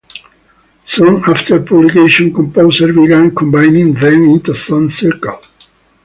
Soon after publication, composers began combining them into song cycles.